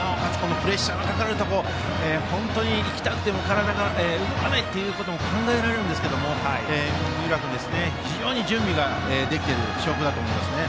プレッシャーのかかるところ本当にいきたくても体が動かないことも考えられるんですが、三浦君非常に準備ができている証拠だと思いますね。